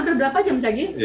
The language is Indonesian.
berapa jam cagik